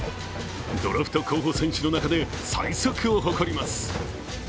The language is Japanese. ドラフト候補選手の中で最速を誇ります。